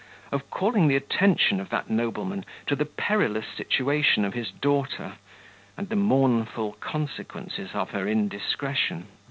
of calling the attention of that nobleman to the perilous situation of his daughter, and the mournful consequences of her indiscretion....